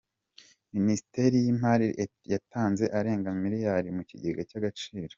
Minisiteri y’Imari yatanze arenga miliyari mu kigega Agaciro